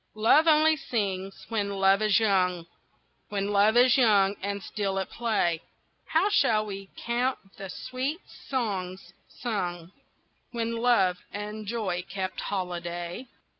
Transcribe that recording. LOVE only sings when Love is young, When Love is young and still at play, How shall we count the sweet songs sung When Love and Joy kept holiday?